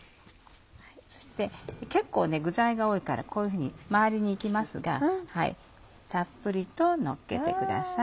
そして結構具材が多いからこういうふうにまわりに行きますがたっぷりとのっけてください。